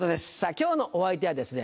今日のお相手はですね